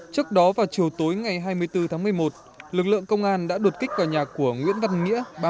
trước đó vào chiều tối ngày hai mươi bốn tháng một mươi một lực lượng công an đã đột kích vào nhà của nguyễn văn nghĩa